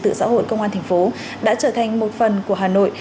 từ xã hội công an thành phố đã trở thành một phần của hà nội